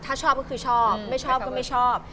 ถ้าชอบก็คือชอบไม่ชอบก็ไม่ชอบ